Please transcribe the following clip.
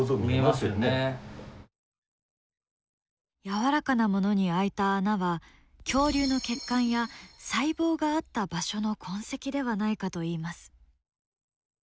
やわらかなものに開いた穴は恐竜の血管や細胞があった場所の痕跡ではないかといいます。